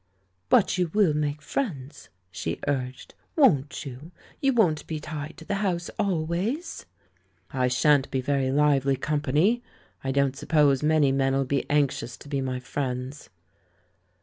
"But you will make friends," she urged; "won't you? You won't be tied to the house always?" "I shan't be very lively company; I don't sup pose many men'U ])e anxious to be my friends."